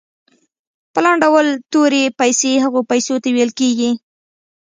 په لنډ ډول تورې پیسې هغو پیسو ته ویل کیږي.